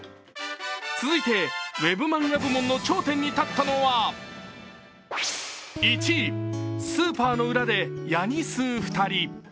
続いてＷｅｂマンガ部門の頂点に立ったのは１位「スーパーの裏でヤニ吸うふたり」